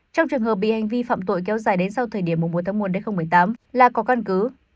trong trường hợp bị hành vi phạm tội kéo dài đến sau thời điểm mùa một tháng một hai nghìn một mươi tám là có căn cứ